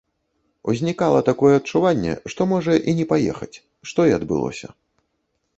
Узнікала такое адчуванне, што можа і не паехаць, што і адбылося.